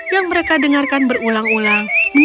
yang mereka dengarkan berulang ulang menyanyikan ulang lagu lagunya